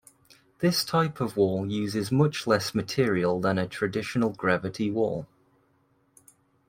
This type of wall uses much less material than a traditional gravity wall.